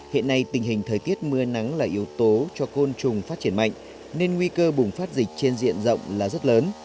hiện nay tình hình thời tiết mưa nắng là yếu tố cho côn trùng phát triển mạnh nên nguy cơ bùng phát dịch trên diện rộng là rất lớn